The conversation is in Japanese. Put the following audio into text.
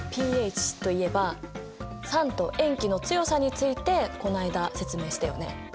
ｐＨといえば酸と塩基の強さについてこないだ説明したよね。